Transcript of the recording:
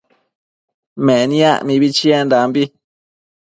Meniac mibi chiendambi